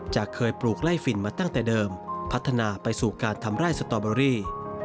จะเคยปลูกไล่ฝิ่นมาตั้งแต่เดิมพัฒนาไปสู่การทำไร่สตอเบอรี่